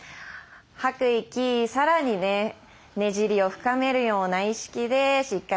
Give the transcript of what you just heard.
吐く息さらにねねじりを深めるような意識でしっかり吐きましょう。